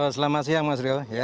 selamat siang mas ryo